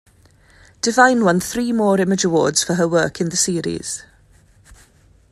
Devine won three more Image Awards for her work in the series.